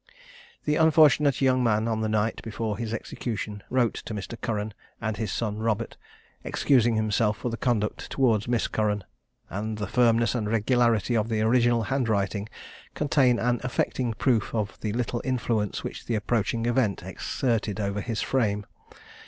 The unfortunate young man, on the night before his execution, wrote to Mr. Curran and his son Robert, excusing himself for his conduct towards Miss Curran, and the firmness and regularity of the original hand writing contain an affecting proof of the little influence which the approaching event exerted over his frame.